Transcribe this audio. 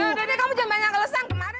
iya deh kamu jangan banyak ngelesang kemarin